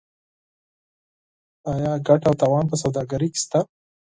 آیا ګټه او تاوان په سوداګرۍ کې شته؟